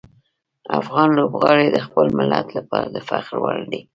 افغان لوبغاړي د خپل ملت لپاره د فخر وړ دي.